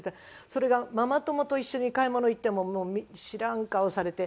それがママ友と一緒に買い物行ってももう知らん顔されて。